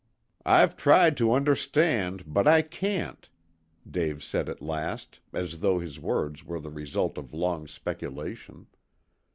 "I've tried to understand, but I can't," Dave said at last, as though his words were the result of long speculation.